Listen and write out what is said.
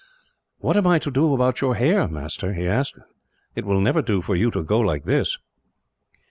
"What am I to do about your hair, master?" he asked. "It will never do for you to go, like this."